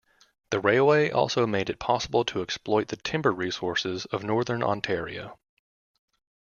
The railway also made it possible to exploit the timber resources of Northern Ontario.